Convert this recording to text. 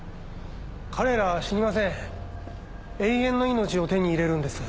彼らは死にません永遠の命を手に入れるんです。